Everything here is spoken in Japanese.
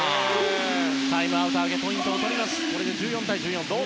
タイムアウト明けにポイントを取りました。